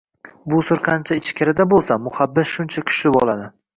Bu sir qancha ichkarida bo‘lsa, muhabbat shuncha kuchli bo‘ladi